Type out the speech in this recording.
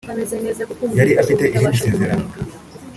yari afite irindi sezerano